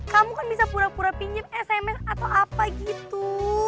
kamu kan bisa pura pura pinjam sms atau apa gitu